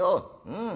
うん。